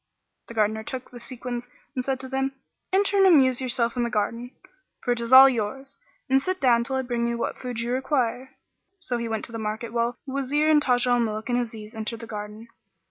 "[FN#39] The Gardener took the sequins and said to them, "Enter and amuse yourselves in the garden, for it is all yours; and sit down till I bring you what food you require." So he went to the market while the Wazir and Taj al Muluk and Aziz entered the garden.